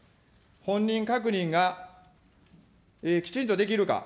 本人確認がきちんとできるか。